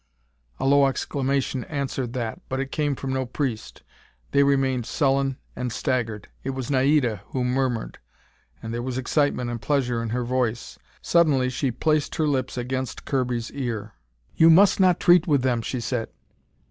A low exclamation answered that, but it came from no priest. They remained sullen and staggered. It was Naida who murmured, and there was excitement and pleasure in her voice. Suddenly she placed her lips against Kirby's ear. "You must not treat with them," she said.